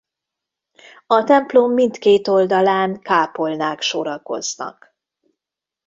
A templom mindkét oldalán kápolnák sorakoznak.